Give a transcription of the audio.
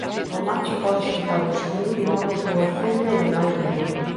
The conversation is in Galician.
O macho pode xuntar no seu niño ovos dunha femia ou de máis dunha.